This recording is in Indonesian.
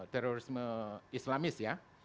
terorisme islamis ya